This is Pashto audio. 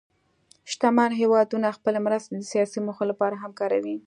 شتمن هېوادونه خپلې مرستې د سیاسي موخو لپاره هم کاروي.